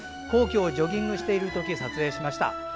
皇居をジョギングしているとき撮影しました。